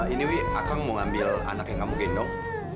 ini wi akang mau ambil anak yang kamu gendong